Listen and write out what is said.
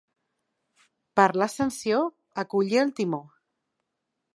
Per l'Ascensió, a collir el timó.